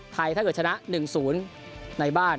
ไทยถ้าเกิดชนะ๑ศูนย์ในบ้าน